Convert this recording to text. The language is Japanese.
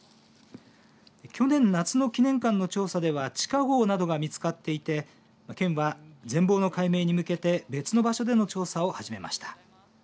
去年夏の記念館の調査では地下ごうなどが見つかっていて県は全貌の解明に向けて別の場所での調査を始めました。